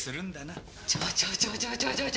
ちょちょちょちょ！